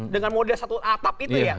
dengan model satu atap itu ya